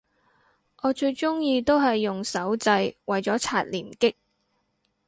我最鍾意都係用手掣為咗刷連擊